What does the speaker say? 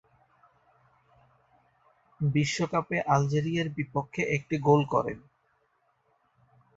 বিশ্বকাপে আলজেরিয়ার বিপক্ষে একটি গোল করেন।